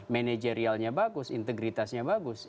managerialnya bagus integritasnya bagus